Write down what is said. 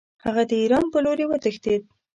هغه د ایران په لوري وتښتېد.